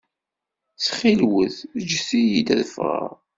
Ttxil-wet ǧǧet-iyi ad ffɣeɣ.